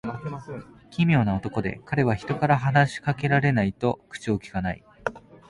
奇妙な男で、彼は人から話し掛けられないと口をきかない。